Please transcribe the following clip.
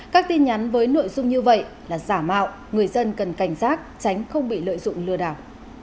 các tin nhắn với nội dung như vậy là giả mạo người dân cần cảnh giác tránh không bị lợi dụng lừa đảo